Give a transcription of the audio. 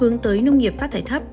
hướng tới nông nghiệp phát thải thấp